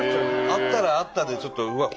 会ったら会ったでちょっとうわっ